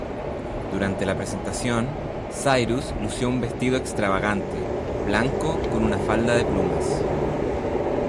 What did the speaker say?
Durante la presentación, Cyrus lució un vestido extravagante, blanco con una falda de plumas.